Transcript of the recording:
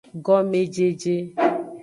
Gomejeje.